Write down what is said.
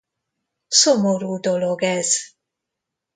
Szomorú dolog ez!